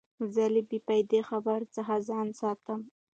زه له بې فایدې خبرو څخه ځان ساتم.